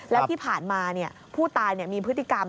แล้วที่ผ่านมาผู้ตายมีพฤติกรรม